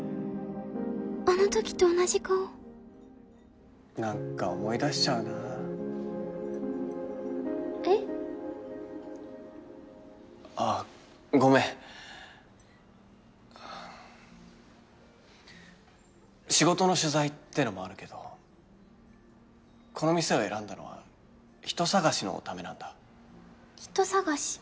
あのときと同じ顔何か思い出しちゃうなえっ？あっごめん仕事の取材ってのもあるけどこの店を選んだのは人探しのためなんだ人探し？